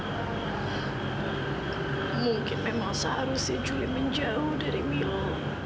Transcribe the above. mungkin memang seharusnya julie menjauh dari milo